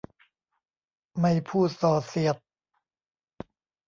ไม่พูดส่อเสียด